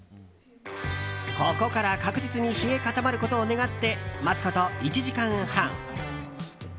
ここから確実に冷え固まることを願って待つこと１時間半。